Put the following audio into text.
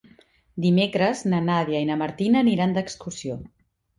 Dimecres na Nàdia i na Martina aniran d'excursió.